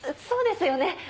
そうですよね！